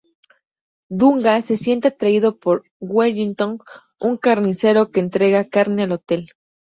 Dunga se siente atraído por Wellington, un carnicero que entrega carne al hotel.